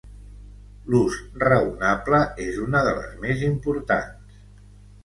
L'ús raonable és una de les més importants.